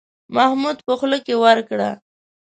محمود په خوله کې ورکړه.